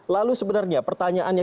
lalu sebenarnya pertanyaannya